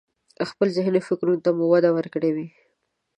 خپل ذهني فکرونو ته به مو وده ورکړي وي.